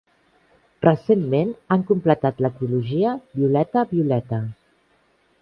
Recentment han completat la trilogia "Violeta Violeta".